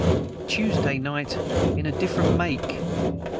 . Tuesday night in a different make